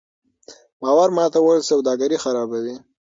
باور ماتول سوداګري خرابوي.